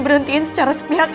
terus diayerah gitu semuanya